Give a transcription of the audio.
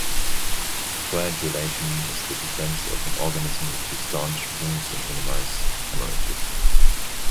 Coagulation is the defense of an organism to staunch wounds and minimize hemorrhages.